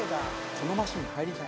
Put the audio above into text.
「このマシンに入りたい」